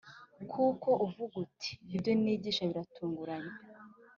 kuko uvuga uti ‘ibyo nigisha biratunganye